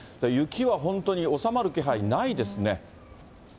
雪は本当に収まる気配ないですね。